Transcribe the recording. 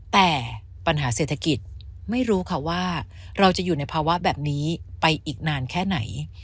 แต่ปัญหาเศรษฐกิจไม่รู้ค่ะว่าเราจะอยู่ในภาวะแบบนี้ไปอีกนานแค่ไหน